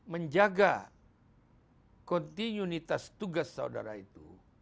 menjaga kontinuitas tugas saudara itu